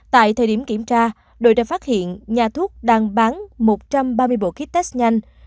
tại thời điểm kiểm tra đội đã phát hiện nhà thuốc đang bán một trăm ba mươi bộ kit test nhanh